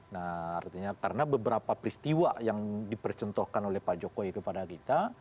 nah artinya karena beberapa peristiwa yang dipercentuhkan oleh pak jokowi kepada kita